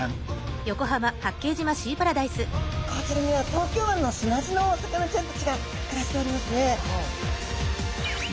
こちらには東京湾の砂地のお魚ちゃんたちが暮らしておりますね。